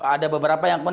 ada beberapa yang pun